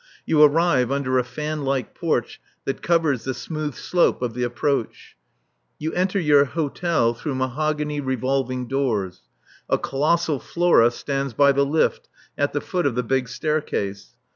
You arrive under a fan like porch that covers the smooth slope of the approach. You enter your hotel through mahogany revolving doors. A colossal Flora stands by the lift at the foot of the big staircase.